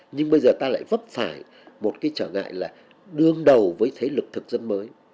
nhưng bây giờ ta lại vấp phải một cái trở ngại là đương đầu với thế lực thực dân mới